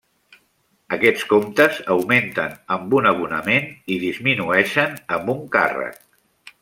Aquests comptes augmenten amb un abonament i disminueixen amb un càrrec.